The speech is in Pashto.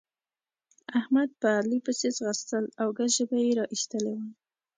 احمد په علي پسې ځغستل او ګز ژبه يې را اېستلې وه.